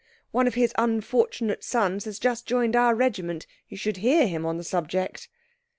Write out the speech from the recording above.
One of his unfortunate sons has just joined our regiment. You should hear him on the subject."